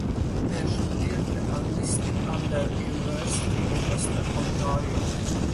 Er studierte Anglistik an der University of Western Ontario.